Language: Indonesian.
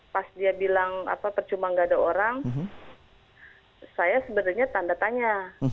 pas dia bilang percuma nggak ada orang saya sebenarnya tanda tanya